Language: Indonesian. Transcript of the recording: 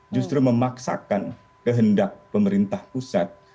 justru memaksakan kehendak pemerintah pusat